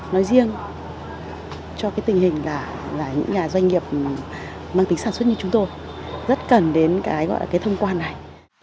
nói riêng cho cái tình hình là những nhà doanh nghiệp mang tính sản xuất như chúng tôi rất cần đến cái gọi là cái thông quan này